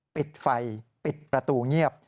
ปิดไฟปิดประตูเงียบ